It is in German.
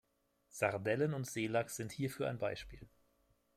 Sardellen und Seelachs sind hierfür ein Beispiel.